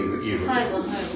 最後最後。